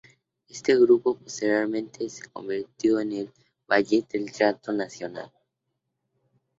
Este grupo posteriormente se convirtió en el El Ballet del Teatro Nacional.